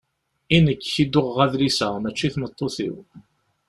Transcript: I nekk i d-uɣeɣ adlis-a, mačči i tmeṭṭut-iw.